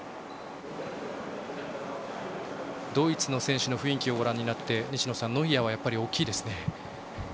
ドイツの選手の雰囲気をご覧になって西野さん、ノイアーはやっぱり大きいですね。